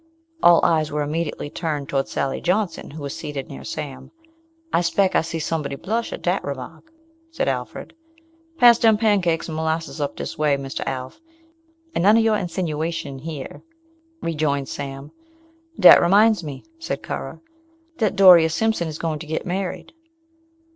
All eyes were immediately turned toward Sally Johnson, who was seated near Sarn. "I speck I see somebody blush at dat remark," said Alfred. "Pass dem pancakes and molasses up dis way, Mr. Alf, and none of your insinawaysion here," rejoined Sam. "Dat reminds me," said Currer, "dat Doreas Simpson is gwine to git married."